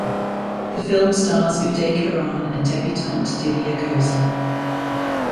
The film stars Uday Kiran and debutante Divya Khosla.